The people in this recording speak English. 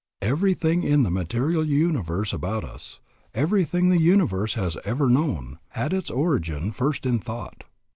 Everything in the material universe about us, everything the universe has ever known, had its origin first in thought.